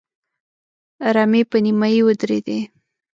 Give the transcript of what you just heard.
رمې په نيمايي ودرېدې.